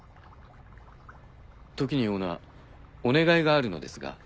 時にオーナーお願いがあるのですが。